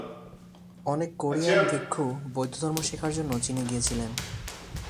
অনেক কোরিয়ান ভিক্ষু বৌদ্ধধর্ম শেখার জন্য চীনে গিয়েছিলেন।